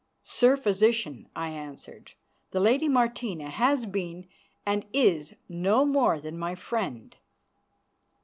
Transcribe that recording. "Sir Physician," I answered, "the lady Martina has been and is no more than my friend."